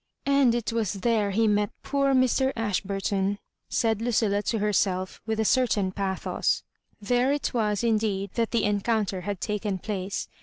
" And it was there he met poor Mr. Ashburton," said Ludlla to herself, with a certain pathos. There it was indeed that the encounter had taken place.